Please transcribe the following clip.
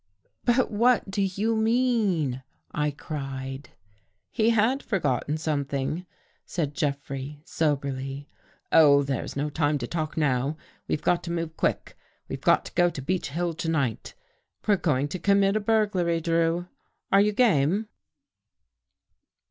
" But what do you mean? " I cried. " He had forgotten something," said Jeffrey soberly. " Oh, there's no time to talk now. We've got to move quick. We've got to go to Beech Hill to night. We're going to commit a burglary. Drew. Are you game?"